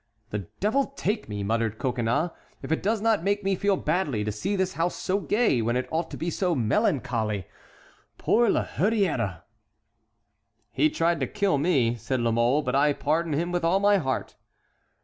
"The devil take me," muttered Coconnas, "if it does not make me feel badly to see this house so gay when it ought to be so melancholy. Poor La Hurière!" "He tried to kill me," said La Mole, "but I pardon him with all my heart."